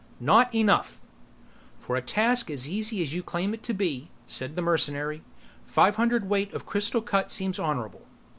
"Not enough " "For a task as easy as you claim it to be," said the mercenary, "Five hundredweight of crystal cut seems honorable."